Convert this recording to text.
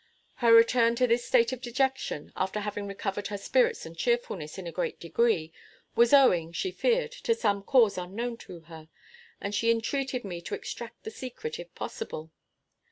Her return to this state of dejection, after having recovered her spirits and cheerfulness in a great degree, was owing, she feared, to some cause unknown to her; and she entreated me to extract the secret, if possible.